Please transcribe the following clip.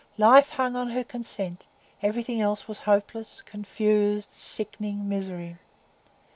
Life hung on her consent; everything else was hopeless, confused, sickening misery.